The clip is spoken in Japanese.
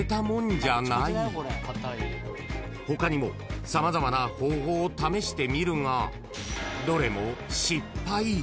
［他にも様々な方法を試してみるがどれも］